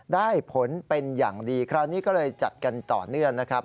ได้ผลเป็นอย่างดีคราวนี้ก็เลยจัดกันต่อเนื่องนะครับ